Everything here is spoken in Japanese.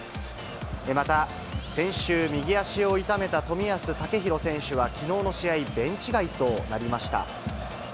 また先週、右足を痛めた冨安健洋選手は、きのうの試合、ベンチ外となりました。